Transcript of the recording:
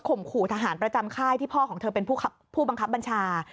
ขู่ทหารประจำค่ายที่พ่อของเธอเป็นผู้บังคับบัญชา